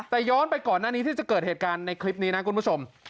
แต่ย้อนไปก่อนหน้านี้ที่จะเกิดเหตุการณ์ในคลิปนี้นะคุณผู้ชม